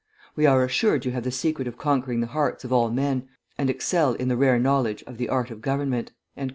We are assured you have the secret of conquering the hearts of all men, and excel in the rare knowledge of the art of government."